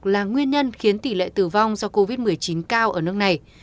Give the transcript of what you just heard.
là nguyên nhân khiến tỷ lệ tử vong do covid một mươi chín cao ở nước này